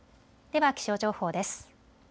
では気象情報です。